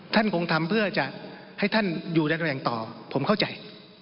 ท่านคงทำเพื่อจะให้ท่านอยู่แรงต่อผมเข้าใจ